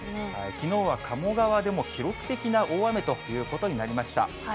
きのうは鴨川でも記録的な大雨ということになりました。